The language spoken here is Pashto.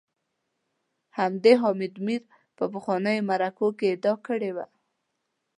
همدې حامد میر په پخوانیو مرکو کي ادعا کړې وه